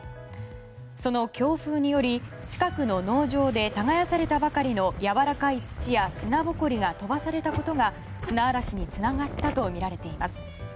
その強風により近くの農場で耕されたばかりのやわらかい土や砂ぼこりが飛ばされたことが砂嵐につながったとみられています。